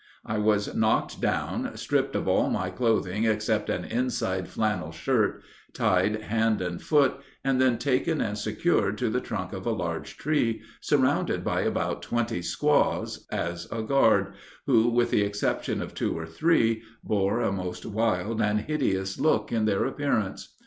I was knocked down, stripped of all my clothing except an inside flannel shirt, tied hand and foot, and then taken and secured to the trunk of a large tree, surrounded by about twenty squaws, as a guard, who, with the exception of two or three, bore a most wild and hideous look in their appearance.